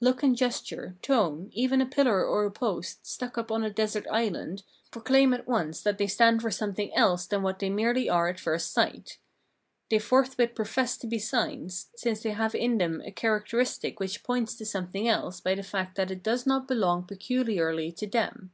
Look and gesture, tone, even a pillar or a post, stuck up on a desert island, proclaim at once that they stand for something else than what they merely are at first sight. They forthwith profess to be signs, since they have in them a characteristic which points to something else by the fact that it does not belong pecuharly to them.